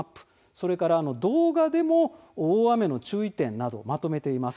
それから動画でも大雨の注意点などをまとめています。